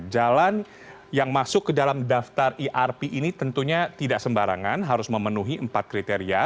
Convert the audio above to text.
jalan yang masuk ke dalam daftar irp ini tentunya tidak sembarangan harus memenuhi empat kriteria